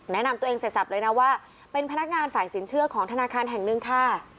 แนะนำตัวเองเสร็จสับเลยนะว่าเป็นพนักงานฝ่ายสินเชื่อของธนาคารแห่งหนึ่งค่ะ